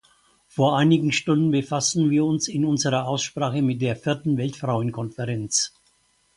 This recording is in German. Vor einigen Stunden befassten wir uns in unserer Aussprache mit der Vierten Weltfrauenkonferenz.